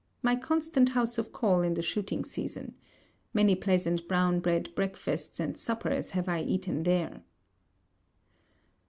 My constant house of call in the shooting season. Many pleasant brown bread breakfasts and suppers have I eaten there.'